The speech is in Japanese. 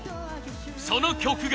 その曲が。